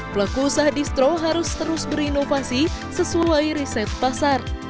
pelaku usaha distro harus terus berinovasi sesuai riset pasar